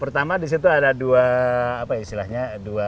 pertama disitu ada dua istilahnya